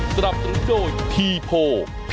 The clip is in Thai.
สวัสดีครับสวัสดีครับ